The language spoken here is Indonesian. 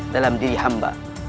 dalam diri hamba